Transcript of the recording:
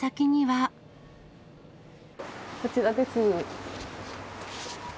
こちらです。